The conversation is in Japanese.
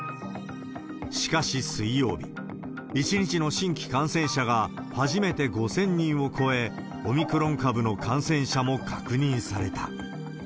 しかし水曜日、１日の新規感染者が初めて５０００人を超え、オミクロン株の感染者も確認された。